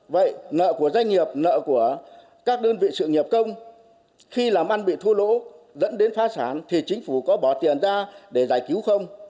vậy nợ của doanh nghiệp nợ của các đơn vị sự nghiệp công khi làm ăn bị thua lỗ dẫn đến phá sản thì chính phủ có bỏ tiền ra để giải cứu không